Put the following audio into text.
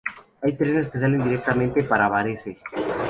Hay trenes que salen directamente para Varese.